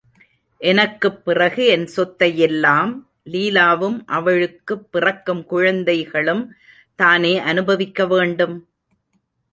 எனக்குப் பிறகு என் சொத்தை யெல்லாம் லீலாவும் அவளுக்குப் பிறக்கும் குழந்தைகளும் தானே அனுபவிக்க வேண்டும்!......